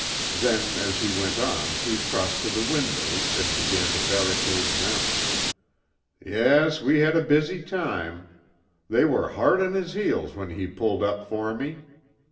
Then, as he went on, he crossed to the windows, and began to barricade them. "Yes, we had a busy time. They were hard on his heels when he pulled up for me.